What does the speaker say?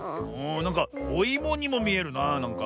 なんかおいもにもみえるななんか。